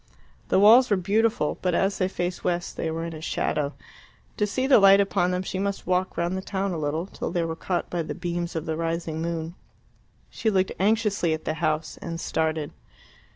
The walls were beautiful, but as they faced west they were in shadow. To see the light upon them she must walk round the town a little, till they were caught by the beams of the rising moon. She looked anxiously at the house, and started.